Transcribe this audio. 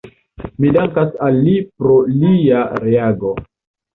Mi dankas al li pro lia reago.